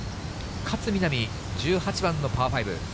勝みなみ、１８番のパー５。